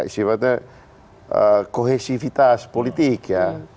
isinya kohesivitas politik ya